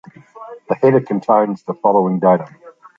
The header contains the following data.